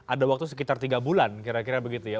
ada waktu sekitar tiga bulan kira kira begitu ya